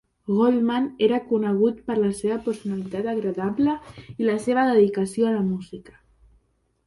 Goldman era conegut per la seva personalitat agradable i la seva dedicació a la música.